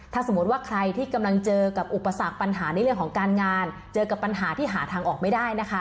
ถ้าสมมุติว่าใครที่กำลังเจอกับอุปสรรคปัญหาในเรื่องของการงานเจอกับปัญหาที่หาทางออกไม่ได้นะคะ